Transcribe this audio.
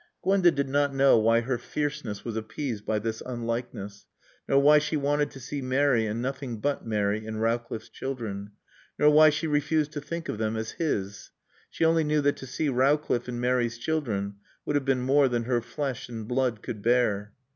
Gwenda did not know why her fierceness was appeased by this unlikeness, nor why she wanted to see Mary and nothing but Mary in Rowcliffe's children, nor why she refused to think of them as his; she only knew that to see Rowcliffe in Mary's children would have been more than her flesh and blood could bear.